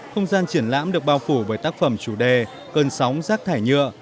không gian triển lãm được bao phủ với tác phẩm chủ đề cơn sóng rác thải nhựa